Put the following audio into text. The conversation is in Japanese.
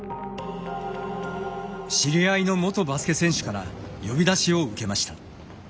知り合いの元バスケ選手から呼び出しを受けました。